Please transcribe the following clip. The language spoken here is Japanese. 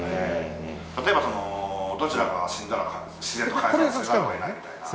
例えばどちらかが死んだら自然と解散せざるをえないみたいな。